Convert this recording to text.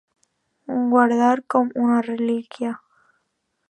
Guardar com una relíquia.